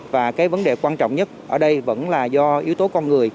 và cái vấn đề quan trọng nhất ở đây vẫn là do yếu tố con người